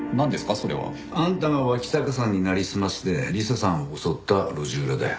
それは。あんたが脇坂さんになりすまして理彩さんを襲った路地裏だよ。